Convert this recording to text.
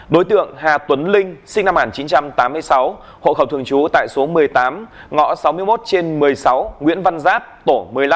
đối tượng hà tuấn linh sinh năm một nghìn chín trăm tám mươi sáu hộ khẩu thường trú tại số một mươi tám ngõ sáu mươi một trên một mươi sáu nguyễn văn giáp tổ một mươi năm